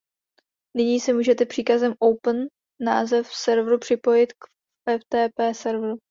Nyní se můžete příkazem "open" název serveru připojit k ftp server.